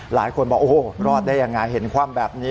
หลายคนบอกโอ้โหรอดได้ยังไงเห็นคว่ำแบบนี้